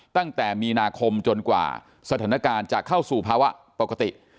ตั้งแต่มีนาคมจนกว่าสถานการณ์จะเข้าสู่ภาวะปกติ